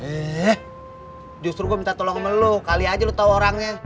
eh justru gue minta tolong sama lo kali aja lo tau orangnya